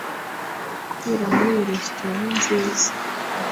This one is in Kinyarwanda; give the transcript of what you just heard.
Kurry muri iyi resitora ni nziza.